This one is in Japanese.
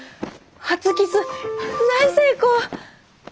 初キス大成功！